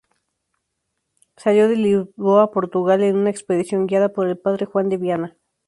Salió de Lisboa, Portugal, en una expedición guiada por el padre Juan de Viana.